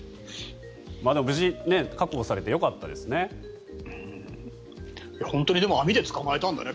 無事確保されてよかったですね。